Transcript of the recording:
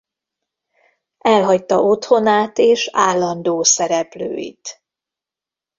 Elhagyta otthonát és állandó szereplőit.